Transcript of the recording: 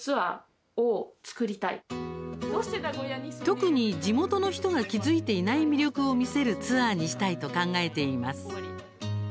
特に、地元の人が気付いていない魅力を見せるツアーにしたいと考えています。